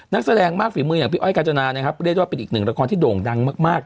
นักแสดงมากฝีมืออย่างพี่อ้อยกาจนานะครับเรียกได้ว่าเป็นอีกหนึ่งละครที่โด่งดังมากมาก